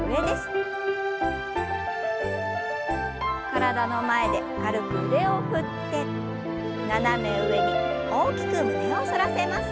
体の前で軽く腕を振って斜め上に大きく胸を反らせます。